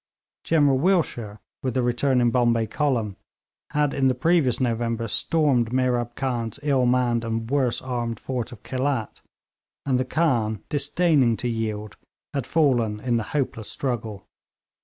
General Willshire, with the returning Bombay column, had in the previous November stormed Mehrab Khan's ill manned and worse armed fort of Khelat, and the Khan, disdaining to yield, had fallen in the hopeless struggle.